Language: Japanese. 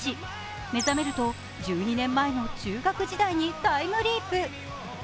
目覚めると、１２年前の中学生にタイムリープ。